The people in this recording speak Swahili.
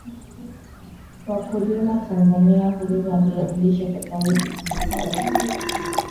wakulima tanzania hulima viazi lishe vya aina tofauti tofauti